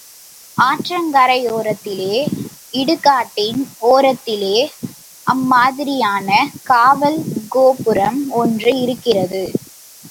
ஆற்றங்கரையோரத்திலே, இடுகாட்டின் ஓரத்திலே அம்மாதிரியான காவல் கோபுரம் ஒன்று இருக்கிறது.